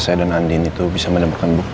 karena nanti mama akan bruen